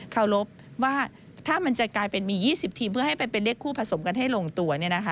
เคารพว่าถ้ามันจะกลายเป็นมี๒๐ทีมเพื่อให้เป็นเลขคู่ผสมกันให้ลงตัว